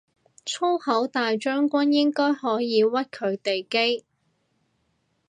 粗口大將軍應該可以屈佢哋機